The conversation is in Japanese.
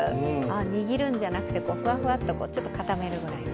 握るんじゃなくて、ふわふわとちょっと固めるくらいで。